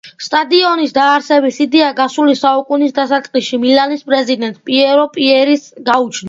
სტადიონის დაარსების იდეა გასული საუკუნის დასაწყისში მილანის პრეზიდენტს, პიერო პიერის გაუჩნდა.